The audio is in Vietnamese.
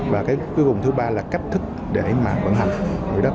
và cái cuối cùng thứ ba là cách thức để mà vận hành